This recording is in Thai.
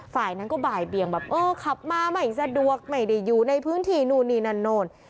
ฝ่ายนั้นก็บ่ายเบียงแบบเออขับมาไม่สะดวกไม่ได้อยู่ในพื้นที่นู่นนี่นั่นนู่น